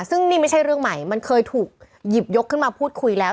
ซึ่งนี่ไม่ใช่เรื่องใหม่มันเคยถูกหยิบยกขึ้นมาพูดคุยแล้ว